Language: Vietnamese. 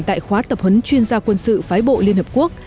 tại khóa tập huấn chuyên gia quân sự phái bộ liên hợp quốc